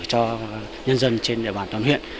cho nhân dân trên địa bàn toàn huyện